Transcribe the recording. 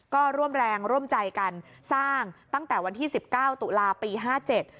ก็ร่วมแรงร่วมใจกันสร้างตั้งแต่วันที่สิบเก้าตุลาปีห้าเจ็ด